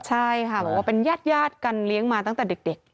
ใช่ค่ะบอกว่าเป็นญาติกันเลี้ยงมาตั้งแต่เด็ก